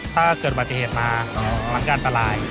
ถ้าเกิดบัติเหตุมามันก็อันตราย